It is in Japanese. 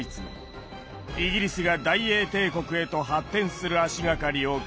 イギリスが大英帝国へと発展する足掛かりを築き上げました。